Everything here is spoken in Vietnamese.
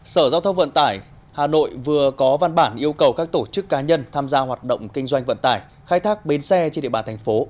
sở giao thông vận tải hà nội vừa có văn bản yêu cầu các tổ chức cá nhân tham gia hoạt động kinh doanh vận tải khai thác bến xe trên địa bàn thành phố